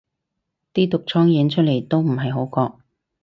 啲毒瘡影出嚟都唔係好覺